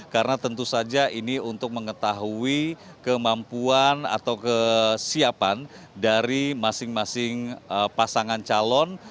karena tentu saja ini untuk mengetahui kemampuan atau kesiapan dari masing masing pasangan calon